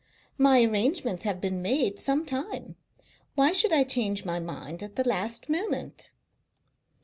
My arrangements have been made some time. Why should I change my mind at the last moment?"